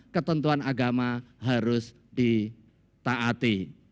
ketentuan agama harus ditaati